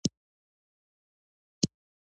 مور یې د یوه غريب معلم لور نږور کړه.